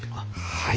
はい。